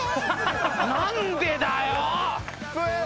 何でだよ！